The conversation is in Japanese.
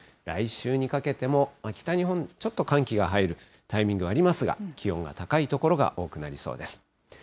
来週にかけても北日本、ちょっと寒気が入るタイミングありますが、気温が高い所が多くなりそうです。